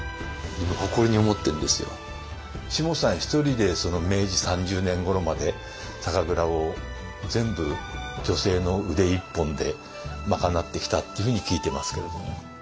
しもさん１人で明治３０年ごろまで酒蔵を全部女性の腕一本で賄ってきたっていうふうに聞いてますけれども。